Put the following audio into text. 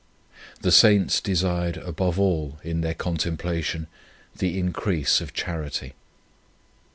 The Saints desired above all in their contemplation the increase of charity.